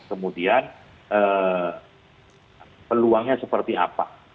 kemudian peluangnya seperti apa